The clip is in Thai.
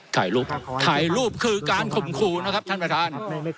ถ่ายรูปถ่ายรูปคือการข่มขู่นะครับท่านประธาน